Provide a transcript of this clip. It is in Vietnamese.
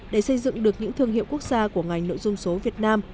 để xây dựng được những thương hiệu quốc gia của ngành nội dung số việt nam